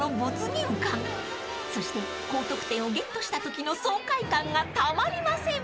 ［そして高得点をゲットしたときの爽快感がたまりません］